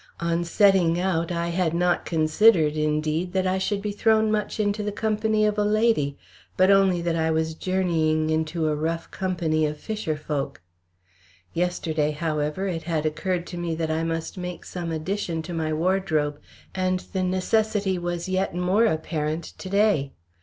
On setting out, I had not considered, indeed, that I should be thrown much into the company of a lady, but only that I was journeying into a rough company of fisher folk. Yesterday, however, it had occurred to me that I must make some addition to my wardrobe and the necessity was yet more apparent to day.